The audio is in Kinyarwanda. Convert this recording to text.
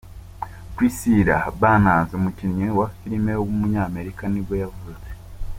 Priscilla Barnes, umukinnyikazi wa filime w’umunyamerika nibwo yavutse.